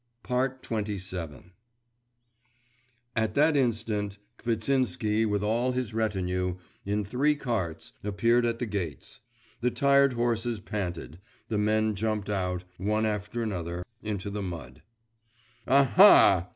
XXVII At that instant, Kvitsinsky, with all his retinue in three carts appeared at the gates. The tired horses panted, the men jumped out, one after another, into the mud. 'Aha!